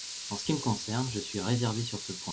En ce qui me concerne, je suis réservé sur ce point.